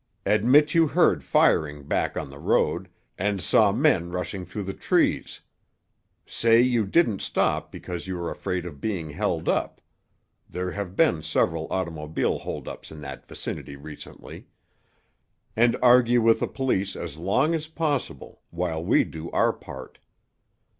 Admit you heard firing back on the road, and saw men rushing through the trees. Say you didn't stop because you were afraid of being held up—there have been several automobile holdups in that vicinity recently. And argue with the police as long as possible, while we do our part."